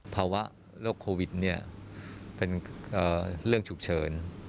ภาวะโรคโควิดเนี่ยเป็นเอ่อเรื่องฉุกเฉิน